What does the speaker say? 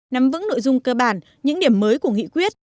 nắm vững nội dung cơ bản những điểm mới của nghị quyết